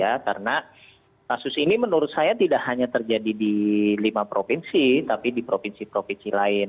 karena kasus ini menurut saya tidak hanya terjadi di lima provinsi tapi di provinsi provinsi lain